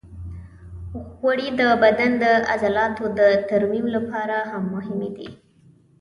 غوړې د بدن د عضلاتو د ترمیم لپاره هم مهمې دي.